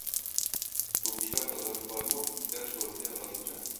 بۇ پىكاپ بازاردا بارمۇ؟ -دەپ سورىدى ئادىلجان.